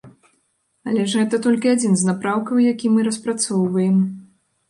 Але ж гэта толькі адзін з напрамкаў, які мы распрацоўваем.